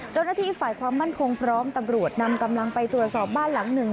เจ้าหน้าที่ฝ่ายความมั่นคงพร้อมตำรวจนำกำลังไปตรวจสอบบ้านหลังหนึ่ง